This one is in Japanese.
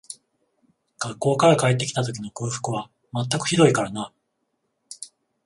学校から帰って来た時の空腹は全くひどいからな